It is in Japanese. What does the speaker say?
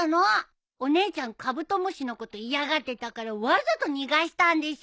お姉ちゃんカブトムシのこと嫌がってたからわざと逃がしたんでしょ？